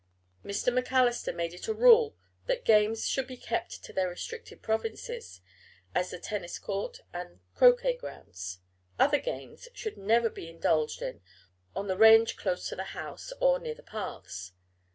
Mr. MacAllister made it a rule that games should be kept to their restricted provinces, as the tennis court and croquet grounds: other games should never be indulged in on the range close to the house or near the paths.